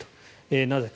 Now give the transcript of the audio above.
なぜか。